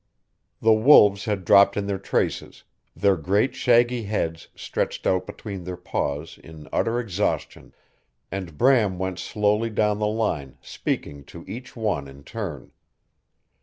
The wolves had dropped in their traces, their great shaggy heads stretched out between their paws in utter exhaustion, and Bram went slowly down the line speaking to each one in turn.